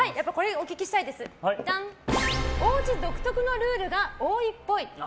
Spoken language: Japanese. おうち独特のルールが多いっぽい。